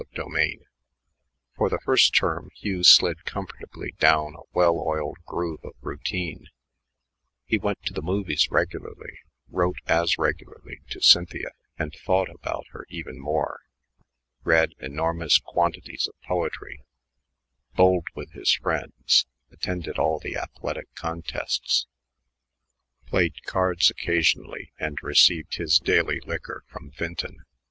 CHAPTER XXI For the first term Hugh slid comfortably down a well oiled groove of routine. He went to the movies regularly, wrote as regularly to Cynthia and thought about her even more, read enormous quantities of poetry, "bulled" with his friends, attended all the athletic contests, played cards occasionally, and received his daily liquor from Vinton.